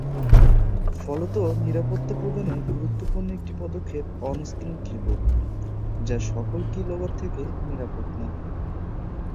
ফলত নিরাপত্তা প্রদানে গুরুত্বপূর্ণ একটি পদক্ষেপ অন-স্ক্রিন কীবোর্ড- যা সকল কী-লগার থেকে নিরাপদ না।